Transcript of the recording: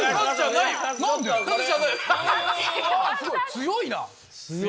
強いな。